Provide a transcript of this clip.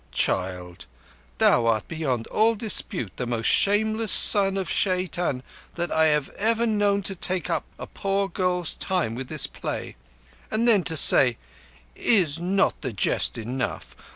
"Child, thou art beyond all dispute the most shameless son of Shaitan that I have ever known to take up a poor girl's time with this play, and then to say: 'Is not the jest enough?